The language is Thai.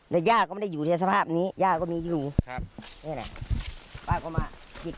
แต่ย่าก็ไม่ได้อยู่ในสภาพนี้ย่าก็มีอยู่ครับนี่แหละป้าก็มาคิด